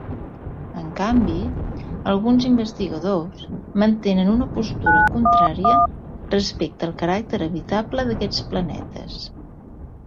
En canvi, alguns investigadors mantenen una postura contrària respecte al caràcter habitable d'aquests planetes.